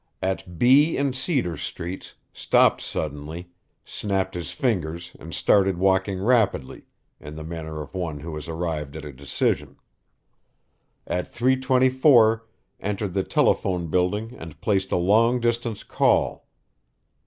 At B and Cedar streets stopped suddenly, snapped his fingers and started walking rapidly, in the manner of one who has arrived at a decision. At 3:24 entered the telephone building and placed a long distance call.